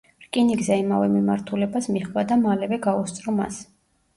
რკინიგზა იმავე მიმართულებას მიჰყვა და მალევე გაუსწრო მას.